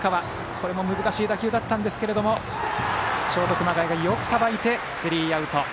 これも難しい打球だったんですがショート、熊谷がよくさばいてスリーアウト。